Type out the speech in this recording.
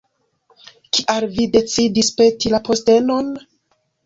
Kial vi decidis peti la postenon?